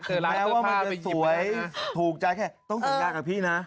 เจอร้านผ้าสวยถูกใจแค่ต้องสัญญากับพี่น่ะ